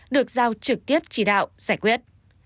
được giao trực tiếp chỉ đạo giải quyết